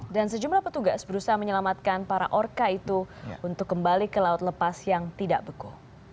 dan sejumlah petugas berusaha menyelamatkan para orka itu untuk kembali ke laut lepas yang tidak beku